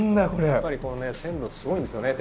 やっぱり鮮度ってすごいんですよね